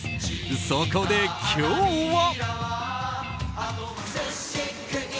そこで今日は。